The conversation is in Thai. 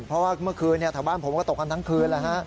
เพราะว่าเมื่อคืนทางบ้านของผมตกกันทั้งคืนแล้ว